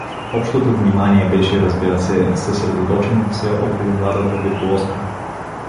Общото внимание беше, разбира се, съсредоточено все около младата виртуозка.